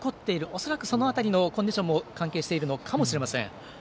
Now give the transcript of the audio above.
恐らく、その辺りのコンディションも関係しているのかもしれません。